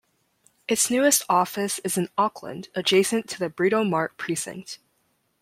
Its newest office is in Auckland, adjacent to the Britomart precinct.